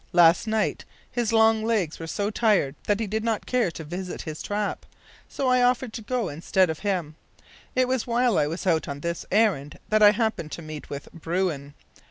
Last night his long legs were so tired that he did not care to visit his trap, so I offered to go instead of him. It was while I was out on this errand that I happened to meet with bruin.